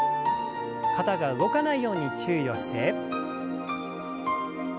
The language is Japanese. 肩が動かないように注意をして。